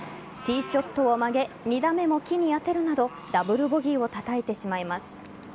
ティーショットを曲げ２打目も木に当てるなどダブルボギーをたたいてしまいます。